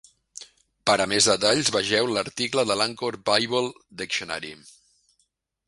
Per a més detalls, vegeu l'article de l'"Anchor Bible Dictionary".